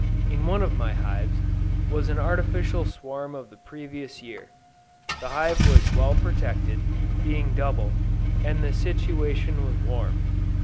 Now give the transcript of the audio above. In one of my hives, was an artificial swarm of the previous year. The hive was well protected, being double, and the situation was warm.